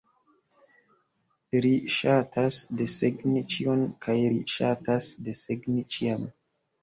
Ri ŝatas desegni ĉion, kaj ri ŝatas desegni ĉiam.